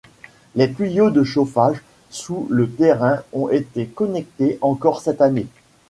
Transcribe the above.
Les tuyaux de chauffage sous le terrain ont été connectés encore cette année.